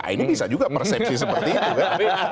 ini bisa juga persepsi seperti itu